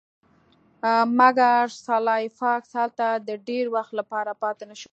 مګر سلای فاکس هلته د ډیر وخت لپاره پاتې نشو